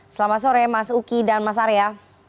selamat sore mas uki dan mas arya